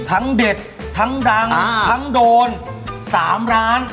เด็ดทั้งดังทั้งโดน๓ร้าน